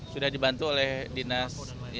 sudah dibantu oleh dinas